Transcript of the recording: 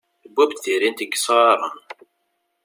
Tbubb-d tirint n yesɣaren.